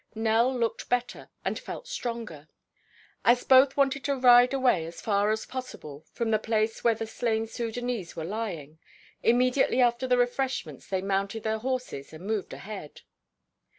Nell looked better and felt stronger. As both wanted to ride away as far as possible from the place where the slain Sudânese were lying, immediately after the refreshments they mounted their horses and moved ahead.